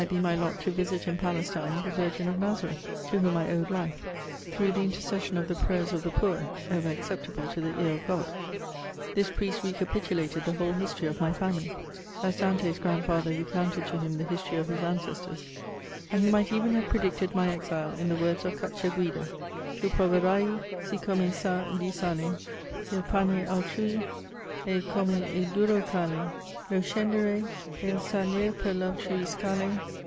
63 be mj lot to visit in Palestine the Virgin of Nazareth, to whom I owed Ufe, through the intercession of the prayers of the poor, ever acceptable to the ear of Grod. This priest recapitulated the whole history of my family, as Dante's grandfather recounted to him the history of his ancestors ; and he might even have predicted my exile in the words of Cacciaguida :—" Tu proverai si come tk di sale II pane altnu, e come'^ duro calle Lo scendere el salir per V altrui scale.